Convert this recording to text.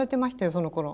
そのころ。